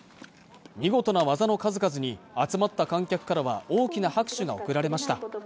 見事な技の数々に集まった観客からは大きな拍手が送られました